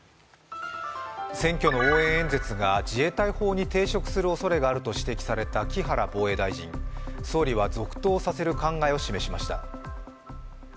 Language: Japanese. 選挙の応援演説が自衛隊法に抵触する可能性があるとされた木原防衛大臣、総理は続投させる考えを示しました。